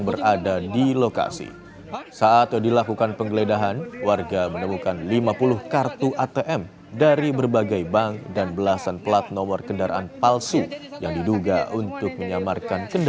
pelaku ganjal atm ini kepergatan